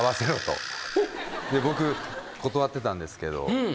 僕断ってたんですけど